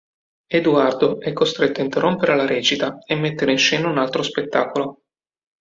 Eduardo è costretto a interrompere la recita e mettere in scena un altro spettacolo.